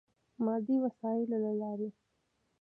مادي وسایلو له لارې.